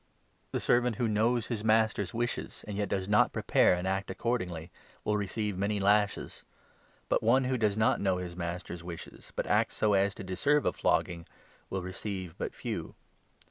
The servant who knows his 47 136 LUKE, 12 18. master's wishes and yet does not prepare and act accordingly will receive many lashes ; while one who does not know his 48 master's wishes, but acts so as to deserve a flogging, will receive but few.